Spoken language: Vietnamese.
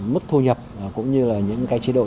mức thu nhập cũng như là những chế độ